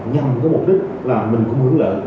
nhằm cái mục đích là mình cũng hưởng lợi